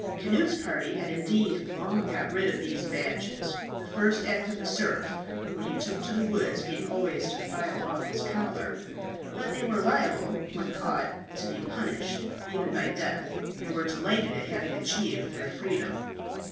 Cnut's party had indeed long got rid of these badges, the first act of a serf when he took to the woods being always to file off his collar; but they were liable when caught to be punished, even by death, and were delighted at having achieved their freedom.